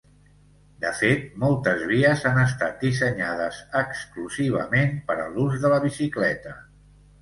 De fet, moltes vies han estat dissenyades exclusivament per a l'ús de la bicicleta.